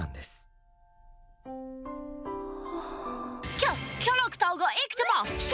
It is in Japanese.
キャキャラクターが生きてます！